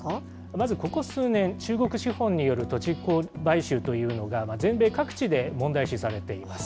まず、ここ数年、中国資本による土地買収というのが、全米各地で問題視されています。